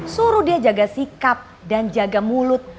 suruh dia jaga sikap dan jaga mulut